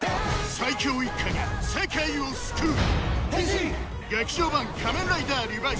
最強一家が世界を救う！変身！